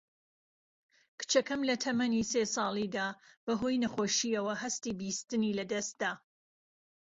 کچەکەم لە تەمەنی سێ ساڵیدا بە هۆی نەخۆشییەوە هەستی بیستنی لەدەست دا